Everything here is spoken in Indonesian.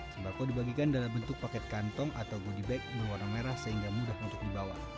sembako dibagikan dalam bentuk paket kantong atau goodie bag berwarna merah sehingga mudah untuk dibawa